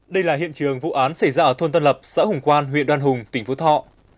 đây là hiện trường vụ án xảy ra ở thôn tân lập xã hùng quan huyện đoan hùng tỉnh phú thọ